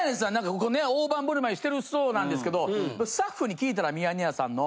ここね大盤振る舞いしてるそうなんですけどスタッフに聞いたら『ミヤネ屋』さんの。